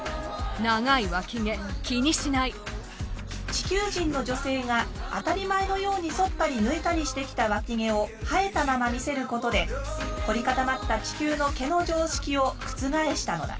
地球人の女性が当たり前のようにそったり抜いたりしてきたワキ毛を生えたまま見せることで凝り固まった地球の毛の常識を覆したのだ。